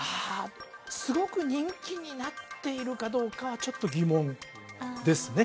すごく人気になっているかどうかはちょっと疑問ですね